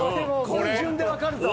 これ順でわかるぞ。